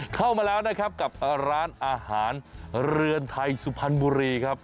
เข้ามาแล้วนะครับกับร้านอาหารเรือนไทยสุพรรณบุรีครับ